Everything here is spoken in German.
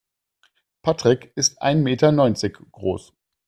Patrick ist ein Meter neunzig groß.